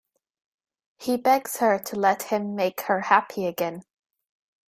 He begs her to let him make her happy again.